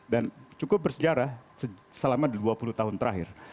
dan cukup bersejarah selama dua puluh tahun terakhir